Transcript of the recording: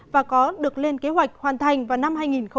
và có được lên kế hoạch hoàn thành vào năm hai nghìn hai mươi